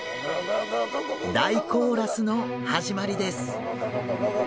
大コーラスの始まりです。